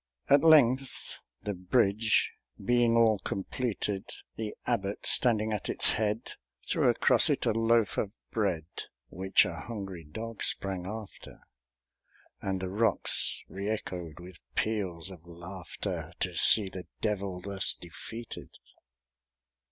At length, the bridge being all completed, The Abbot, standing at its head, Threw across it a loaf of bread, Which a hungry dog sprang after, And the rocks reëchoed with peals of laughterTo see the Devil thus defeated!